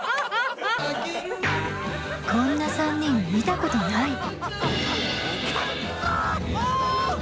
こんな３人見たことないあ！